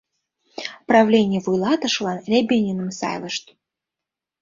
Правлений вуйлатышылан Рябининым сайлышт.